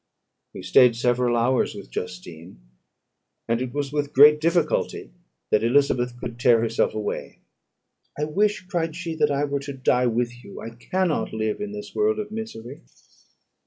We stayed several hours with Justine; and it was with great difficulty that Elizabeth could tear herself away. "I wish," cried she, "that I were to die with you; I cannot live in this world of misery."